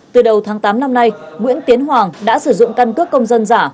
từ đầu tháng tám năm nay nguyễn tiến hoàng đã sử dụng căn cước công dân giả